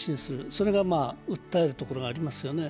それが訴えるところがありますよね。